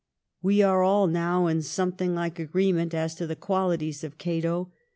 We are all now in something like agreement as to the qualities of ' Cato.'